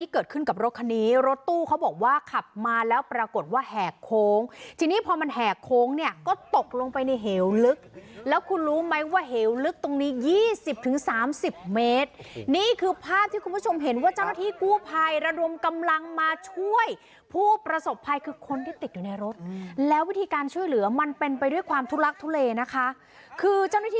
เกิดขึ้นกับรถคันนี้รถตู้เขาบอกว่าขับมาแล้วปรากฏว่าแหกโค้งทีนี้พอมันแหกโค้งเนี่ยก็ตกลงไปในเหวลึกแล้วคุณรู้ไหมว่าเหวลึกตรงนี้ยี่สิบถึงสามสิบเมตรนี่คือภาพที่คุณผู้ชมเห็นว่าเจ้าหน้าที่กู้ภัยระดมกำลังมาช่วยผู้ประสบภัยคือคนที่ติดอยู่ในรถแล้ววิธีการช่วยเหลือมันเป็นไปด้วยความทุลักทุเลนะคะคือเจ้าหน้าที่